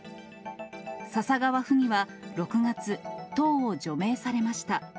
笹川府議は６月、党を除名されました。